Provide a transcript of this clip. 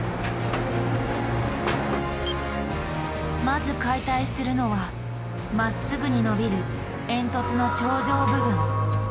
まず解体するのはまっすぐに伸びる煙突の頂上部分。